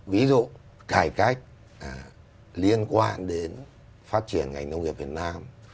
ví dụ cải cách liên quan đến phát triển ngành nông nghiệp việt nam